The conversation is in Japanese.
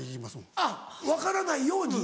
あっ分からないように？